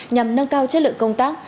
nhằm nâng cao chất lượng công tác